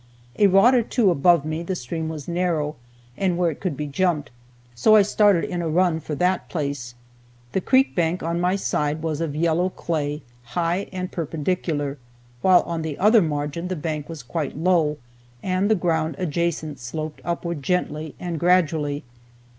A rod or two above me the stream was narrow, and where it could be jumped, so I started in a run for that place. The creek bank on my side was of yellow clay, high and perpendicular, while on the other margin the bank was quite low, and the ground adjacent sloped upward gently and gradually.